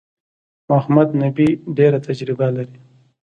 محمد نبي ډېره تجربه لري.